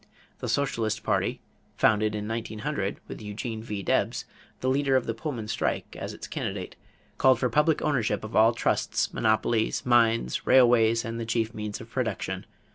The Socialist party, founded in 1900, with Eugene V. Debs, the leader of the Pullman strike, as its candidate, called for public ownership of all trusts, monopolies, mines, railways; and the chief means of production.